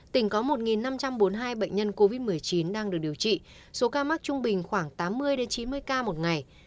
tỉnh có một năm trăm bốn mươi hai bệnh nhân covid một mươi chín đang được điều trị số ca mắc trung bình khoảng tám mươi chín mươi ca một ngày